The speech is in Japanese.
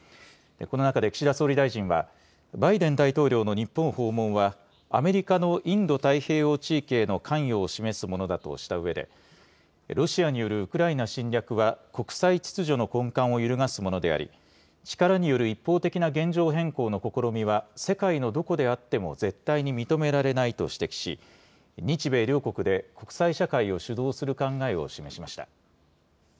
この中で岸田総理大臣は、バイデン大統領の日本訪問は、アメリカのインド太平洋地域への関与を示すものだとしたうえで、ロシアによるウクライナ侵略は国際秩序の根幹を揺るがすものであり、力による一方的な現状変更の試みは、世界のどこであっても絶対に認められないと指摘し、日米両国で国際社会を主導する考えを示しました。